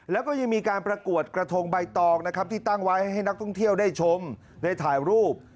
แล้วก็ยังมีการประกวดกระทงใบตองนะครับที่ตั้งไว้ให้นักท่องเที่ยวได้ชมได้ถ่ายรูป